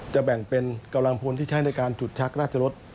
แบ่งเป็นกำลังพลที่ใช้ในการจุดชักราชรส